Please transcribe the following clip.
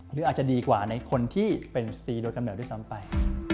หรืออาจจะดีกว่าในคนที่เป็นซีโดยกำเนิดด้วยซ้ำไป